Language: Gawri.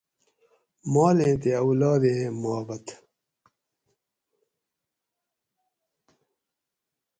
مالیں تے اولادیں محبت